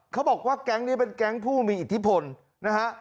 เขาบอกว่าแก๊งนี้เป็นแก๊งผู้มีอิทธิพลนะฮะ